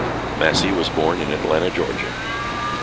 Massey was born in Atlanta, Georgia.